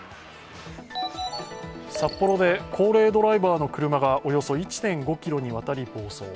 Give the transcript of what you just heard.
札幌で高齢ドライバーの車がおよそ１．５ｋｍにわたり暴走。